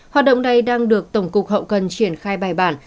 hoạt động này đang được tổng cục hậu cần triển khai bài bản